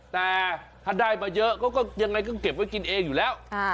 แต่ถ้าได้มาเยอะก็ยังไงก็เก็บไว้กินเองอยู่แล้ว